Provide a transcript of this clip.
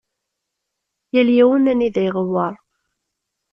Yal yiwen anida iɣewweṛ.